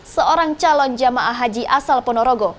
seorang calon jamaah haji asal ponorogo